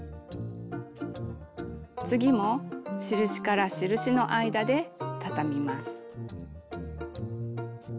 次も印から印の間でたたみます。